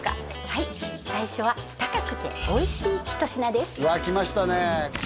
はい最初は高くておいしい一品ですうわ来ましたね